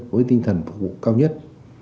với tinh thần phục vụ cao nhất